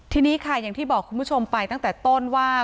ทีนี้ค่ะอย่างที่บอกคุณผู้ชมไปตั้งแต่ต้นว่า